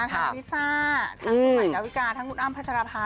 ทั้งนิซ่าทั้งหวัยและวิกาทั้งกุ๊ดอ้ำพัชรภา